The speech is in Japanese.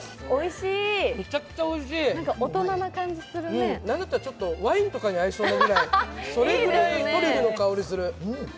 めちゃくちゃおいしい、なんだったらワインとかに合いそうなくらいそれくらいトリュフの香りする。